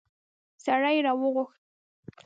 سړی يې راوغوښت.